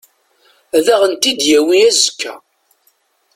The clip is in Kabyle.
Ad aɣ-tent-id-yawi azekka.